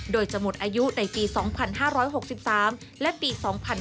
โดยจะหมดอายุในปี๒๕๖๓และปี๒๕๕๙